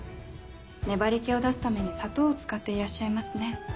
粘り気を出すために砂糖を使っていらっしゃいますね。